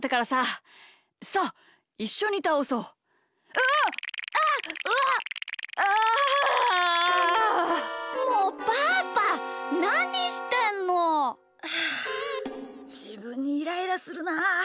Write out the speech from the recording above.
ああじぶんにイライラするなあ！